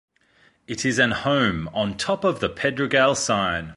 It is an home on top of the Pedregal sign.